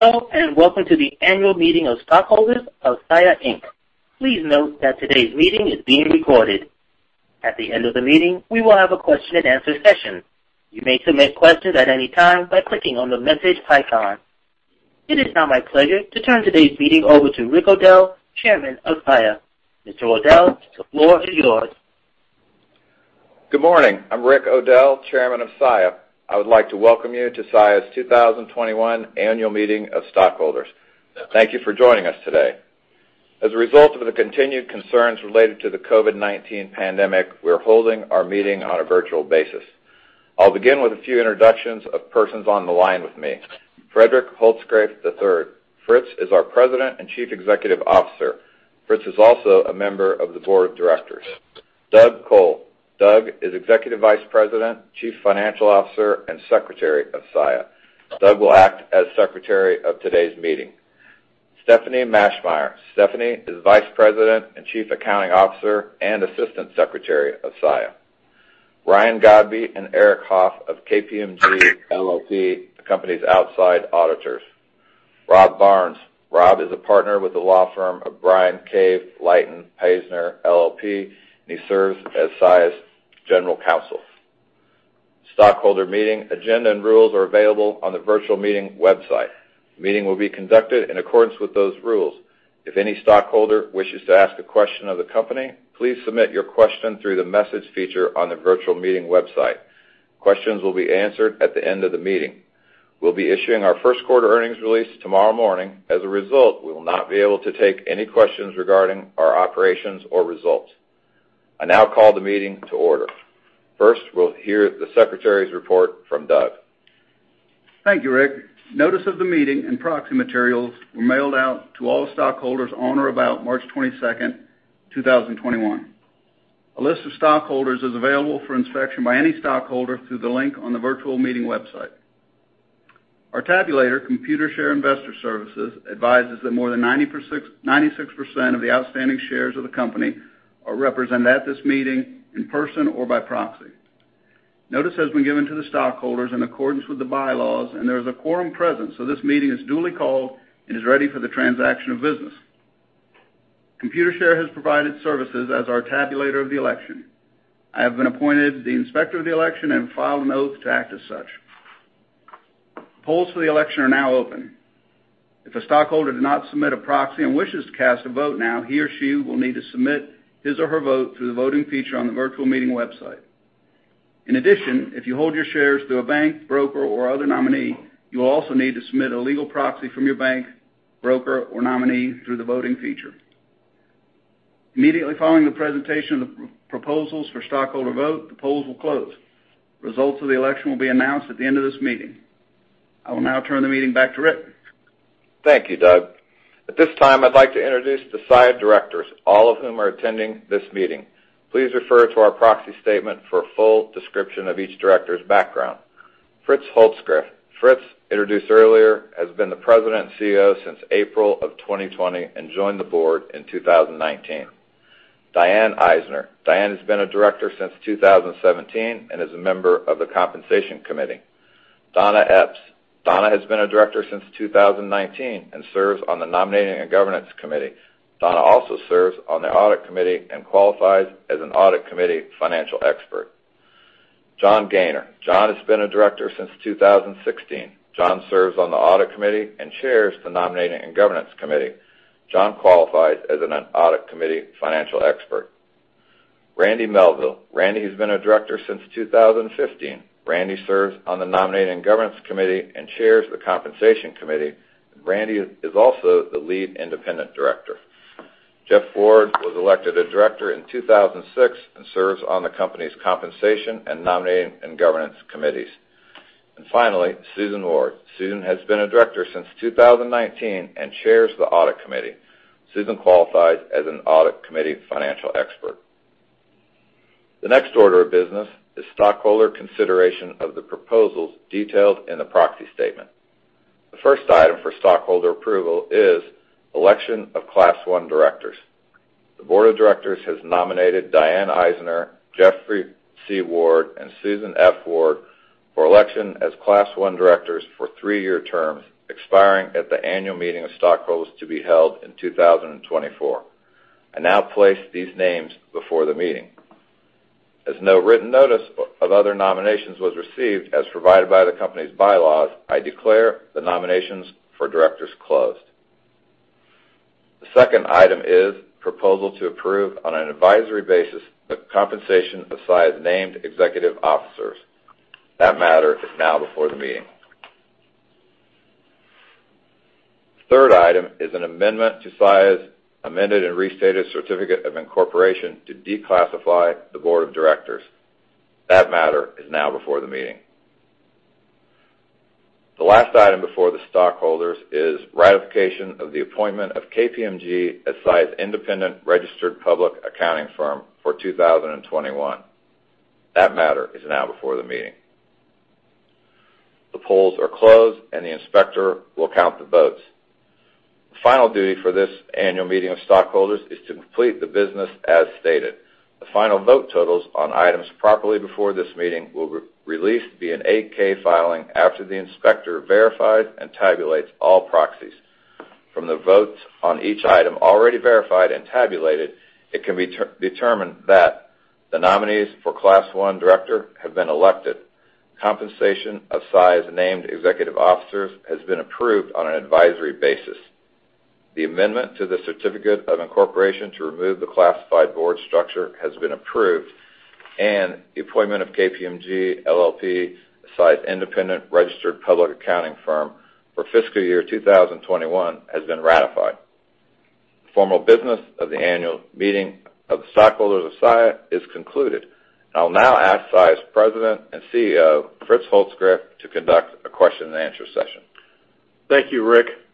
Hello, and welcome to the annual meeting of stockholders of Saia, Inc. Please note that today's meeting is being recorded. At the end of the meeting, we will have a question and answer session. You may submit questions at any time by clicking on the message icon. It is now my pleasure to turn today's meeting over to Rick O'Dell, Chairman of Saia. Mr. O'Dell, the floor is yours. Good morning. I'm Rick O'Dell, Chairman of Saia. I would like to welcome you to Saia's 2021 annual meeting of stockholders. Thank you for joining us today. As a result of the continued concerns related to the COVID-19 pandemic, we're holding our meeting on a virtual basis. I'll begin with a few introductions of persons on the line with me. Frederick Holzgrefe III. Fritz is our President and Chief Executive Officer. Fritz is also a member of the board of directors. Doug Col. Doug is Executive Vice President, Chief Financial Officer, and Secretary of Saia. Doug will act as Secretary of today's meeting. Stephanie Maschmeier. Stephanie is Vice President and Chief Accounting Officer and Assistant Secretary of Saia. Ryan Godbey and Eric Hoff of KPMG LLP, the company's outside auditors. Rob Barnes. Rob is a partner with the law firm of Bryan Cave Leighton Paisner LLP, and he serves as Saia's general counsel. Stockholder meeting agenda and rules are available on the virtual meeting website. The meeting will be conducted in accordance with those rules. If any stockholder wishes to ask a question of the company, please submit your question through the message feature on the virtual meeting website. Questions will be answered at the end of the meeting. We'll be issuing our first quarter earnings release tomorrow morning. As a result, we will not be able to take any questions regarding our operations or results. I now call the meeting to order. First, we'll hear the secretary's report from Doug. Thank you, Rick. Notice of the meeting and proxy materials were mailed out to all stockholders on or about March 22nd, 2021. A list of stockholders is available for inspection by any stockholder through the link on the virtual meeting website. Our tabulator, Computershare Investor Services, advises that more than 96% of the outstanding shares of the company are represented at this meeting in person or by proxy. Notice has been given to the stockholders in accordance with the bylaws, and there is a quorum present, so this meeting is duly called and is ready for the transaction of business. Computershare has provided services as our tabulator of the election. I have been appointed the inspector of the election and filed an oath to act as such. Polls for the election are now open. If a stockholder did not submit a proxy and wishes to cast a vote now, he or she will need to submit his or her vote through the voting feature on the virtual meeting website. If you hold your shares through a bank, broker, or other nominee, you will also need to submit a legal proxy from your bank, broker, or nominee through the voting feature. Immediately following the presentation of the proposals for stockholder vote, the polls will close. Results of the election will be announced at the end of this meeting. I will now turn the meeting back to Rick. Thank you, Doug. At this time, I'd like to introduce the Saia directors, all of whom are attending this meeting. Please refer to our proxy statement for a full description of each director's background. Fritz Holzgrefe. Fritz, introduced earlier, has been the President and Chief Executive Officer since April of 2020 and joined the board in 2019. Di-Ann Eisnor. Di-Ann has been a director since 2017 and is a member of the compensation committee. Donna Epps. Donna has been a director since 2019 and serves on the nominating and governance committee. Donna also serves on the audit committee and qualifies as an audit committee financial expert. John Gainor. John has been a director since 2016. John serves on the audit committee and chairs the nominating and governance committee. John qualifies as an audit committee financial expert. Randy Melville. Randy has been a director since 2015. Randy serves on the nominating governance committee and chairs the compensation committee. Randy is also the lead independent director. Jeff Ward was elected a director in 2006 and serves on the company's compensation and nominating and governance committees. Finally, Susan Ward. Susan has been a director since 2019 and chairs the audit committee. Susan qualifies as an audit committee financial expert. The next order of business is stockholder consideration of the proposals detailed in the proxy statement. The first item for stockholder approval is election of Class 1 directors. The board of directors has nominated Di-Ann Eisnor, Jeffrey C. Ward, and Susan F. Ward for election as Class 1 directors for three-year terms expiring at the annual meeting of stockholders to be held in 2024. I now place these names before the meeting. As no written notice of other nominations was received as provided by the company's bylaws, I declare the nominations for directors closed. The second item is proposal to approve, on an advisory basis, the compensation of Saia's named executive officers. That matter is now before the meeting. The third item is an amendment to Saia's amended and restated certificate of incorporation to declassify the board of directors. That matter is now before the meeting. The last item before the stockholders is ratification of the appointment of KPMG as Saia's independent registered public accounting firm for 2021. That matter is now before the meeting. The polls are closed, and the inspector will count the votes. The final duty for this annual meeting of stockholders is to complete the business as stated. The final vote totals on items properly before this meeting will be released via an 8-K filing after the inspector verified and tabulates all proxies. From the votes on each item already verified and tabulated, it can be determined that the nominees for Class 1 director have been elected. Compensation of Saia's named executive officers has been approved on an advisory basis. The amendment to the certificate of incorporation to remove the classified board structure has been approved, and the appointment of KPMG LLP, Saia's independent registered public accounting firm for fiscal year 2021, has been ratified. The formal business of the annual meeting of the stockholders of Saia is concluded. I'll now ask Saia's president and CEO, Fritz Holzgrefe, to conduct a question and answer session. Thank you, Rick.